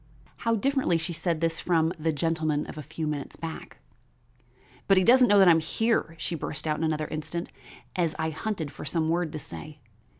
How differently she said this from the gentleman of a few minutes back! "But he doesn't know that I am here," she burst out in another instant, as I hunted for some word to say.